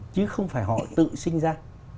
chứ không phải họ tự sinh ra